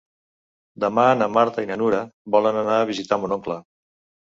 Demà na Marta i na Nura volen anar a visitar mon oncle.